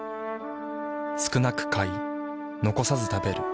少なく買い残さず食べる。